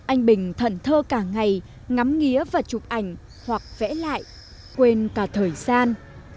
anh bình thần thơ cả ngày ngắm nghĩa và chụp ảnh hoặc vẽ lại quên cả thời gian